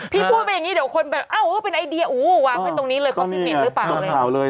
พี่พูดไปอย่างนี้เดี๋ยวคนแบบอ้าวเป็นไอเดียวางไว้ตรงนี้เลยก็ไม่เห็นหรือเปล่าเลย